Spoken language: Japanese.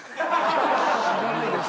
知らないです。